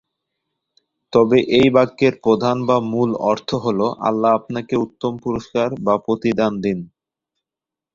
তবে এই বাক্যের প্রধান/মূল অর্থ হলোঃ- "আল্লাহ আপনাকে উত্তম পুরস্কার/প্রতিদান দিন"।